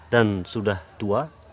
dan sudah tua